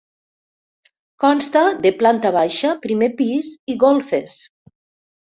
Consta de planta baixa, primer pis i golfes.